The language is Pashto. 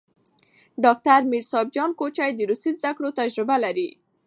ډاکټر میر صاب جان کوچي د روسي زدکړو تجربه لري.